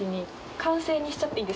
完成にしちゃっていいんですか？